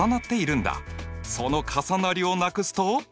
その重なりをなくすと？